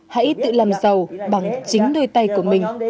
hãy tự làm giàu bằng chính đôi tay của mình